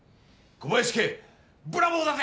小林家ブラボーだぜ！